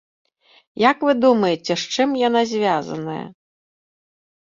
Як вы думаеце, з чым яна звязаная?